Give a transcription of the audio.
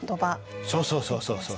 そうそうそうそう。